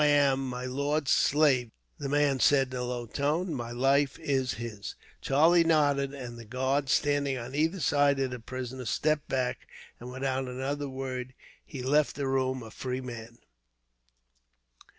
"I am my lord's slave," the man said in a low tone. "My life is his." Charlie nodded, and the guard standing on either side of the prisoner stepped back, and without another word he left the room, a free man.